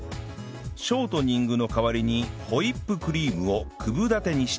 ショートニングの代わりにホイップクリームを九分立てにして